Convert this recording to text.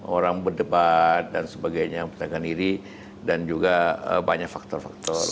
orang berdebat dan sebagainya yang diri dan juga banyak faktor faktor